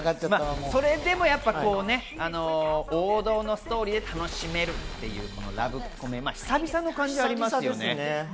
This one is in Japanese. それでもやっぱ王道のストーリーで楽しめるというラブコメ、久々の感じありますね。